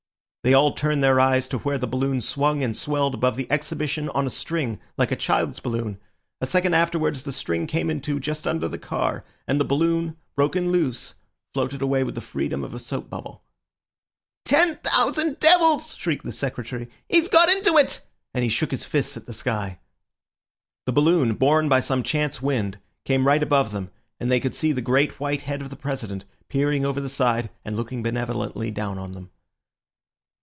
They all turned their eyes to where the balloon swung and swelled above the Exhibition on a string, like a child's balloon. A second afterwards the string came in two just under the car, and the balloon, broken loose, floated away with the freedom of a soap bubble. "Ten thousand devils!" shrieked the Secretary. "He's got into it!" and he shook his fists at the sky. The balloon, borne by some chance wind, came right above them, and they could see the great white head of the President peering over the side and looking benevolently down on them.